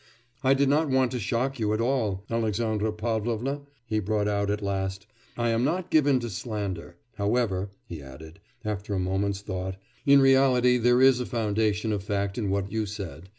'I did not want to shock you at all, Alexandra Pavlovna,' he brought out at last, 'I am not given to slander. However,' he added, after a moment's thought, 'in reality there is a foundation of fact in what you said.